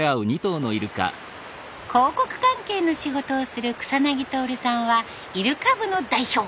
広告関係の仕事をする草薙徹さんはイルカ部の代表。